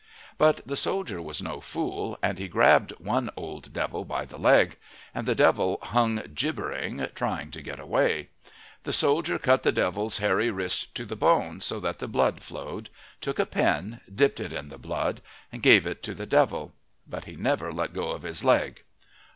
But the soldier was no fool, and he grabbed one old devil by the leg. And the devil hung gibbering, trying to get away. The soldier cut the devil's hairy wrist to the bone, so that the blood flowed, took a pen, dipped it in the blood, and gave it to the devil. But he never let go of his leg.